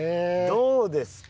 どうですか？